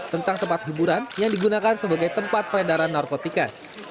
tentang tempat hiburan yang digunakan sebagai tempat peredaran narkotika